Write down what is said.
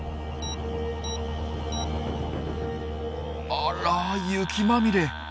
あら雪まみれ。